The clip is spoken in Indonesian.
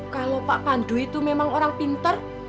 kalau pak pandu itu memang orang pintar